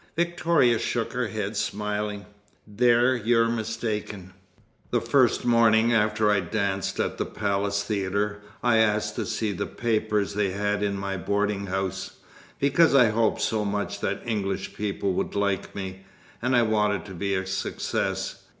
Victoria shook her head, smiling. "There you're mistaken. The first morning after I danced at the Palace Theatre, I asked to see the papers they had in my boarding house, because I hoped so much that English people would like me, and I wanted to be a success.